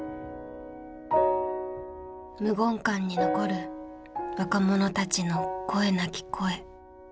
無言館に残る若者たちの声なき声。